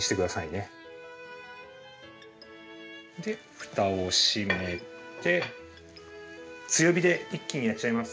ふたを閉めて強火で一気にやっちゃいます。